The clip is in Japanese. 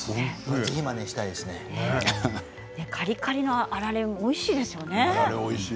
カリカリのあられおいしいですよね。